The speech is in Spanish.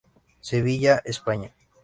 Sevilla, España.